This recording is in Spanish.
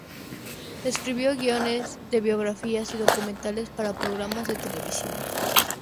Escribió guiones de biografías y documentales para programas de televisión.